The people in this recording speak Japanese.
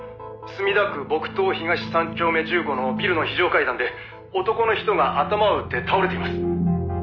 「墨田区墨東東３丁目１５のビルの非常階段で男の人が頭を打って倒れています」